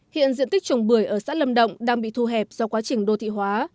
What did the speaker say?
hiện diện tích trồng bưởi ở xã lâm động đang bị thu hẹp do quá trình đô thị hóa